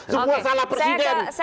semua salah presiden